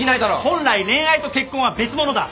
本来恋愛と結婚は別物だ。